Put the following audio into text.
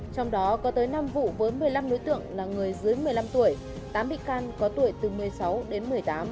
trong đó có tới năm vụ với một mươi năm đối tượng là người dưới một mươi năm tuổi tám bị can có tuổi từ một mươi sáu đến một mươi tám